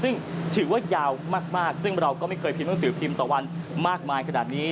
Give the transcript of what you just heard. ซึ่งถือว่ายาวมากซึ่งเราก็ไม่เคยพิมพ์หนังสือพิมพ์ตะวันมากมายขนาดนี้